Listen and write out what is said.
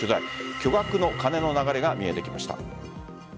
巨額の金の流れが見えてきました。